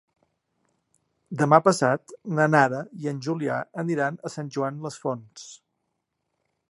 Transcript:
Demà passat na Nara i en Julià aniran a Sant Joan les Fonts.